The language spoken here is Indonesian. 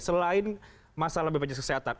selain masalah bpjs kesehatan